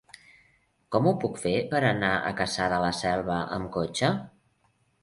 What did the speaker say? Com ho puc fer per anar a Cassà de la Selva amb cotxe?